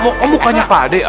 oh mukanya padeh